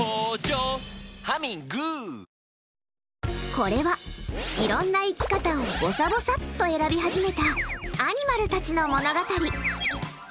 これはいろんな生き方をぼさぼさっと選び始めたアニマルたちの物語。